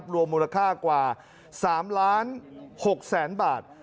รวมมูลค่ากว่า๓ล้าน๖แสนบาท